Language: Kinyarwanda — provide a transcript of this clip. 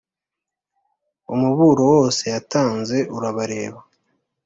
umuburo wose yatanze urabareba